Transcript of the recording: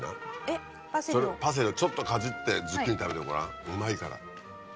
パセリをちょっとかじってズッキーニ食べてごらんうまいから。